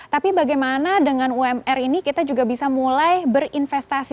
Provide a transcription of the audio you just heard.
tapi bagaimana dengan umr ini kita juga bisa mulai berinvestasi